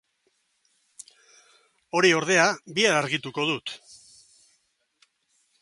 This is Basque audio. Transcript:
Hori, ordea, bihar argituko dut.